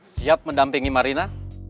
siap mendampingi marina